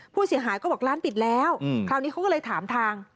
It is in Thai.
ผู้เสียหายก็บอกร้านปิดแล้วคราวนี้เขาก็เลยถามทาง